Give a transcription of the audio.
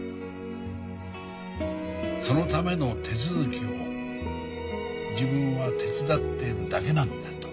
そのための手続きを自分は手伝っているだけなんだと。